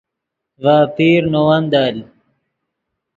ڤے اپیر نے ون دل